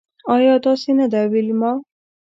ایا داسې نده ویلما